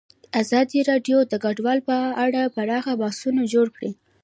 ازادي راډیو د کډوال په اړه پراخ بحثونه جوړ کړي.